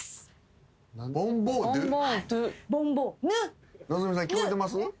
希さん聞こえてます？